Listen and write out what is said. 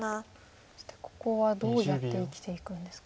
そしてここはどうやって生きていくんですか？